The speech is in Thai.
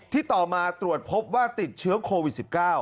ต่อมาตรวจพบว่าติดเชื้อโควิด๑๙